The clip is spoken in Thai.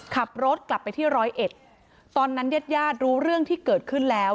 ขับรถกลับไปที่ร้อยเอ็ดตอนนั้นญาติญาติรู้เรื่องที่เกิดขึ้นแล้ว